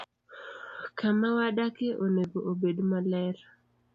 Kama wadakie onego obed maler.